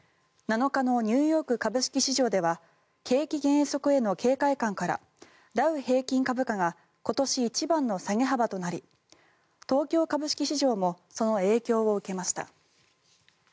７日のニューヨーク株式市場では景気減速への警戒感からダウ平均株価が今年一番の下げ幅となり東京株式市場もその影響を受けました。